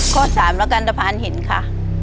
ข้อ๓แหละกันได้พาอันเห็นค่ะ